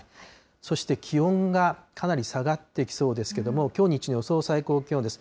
そして、気温がかなり下がってきそうですけれども、きょう日中の予想最高気温です。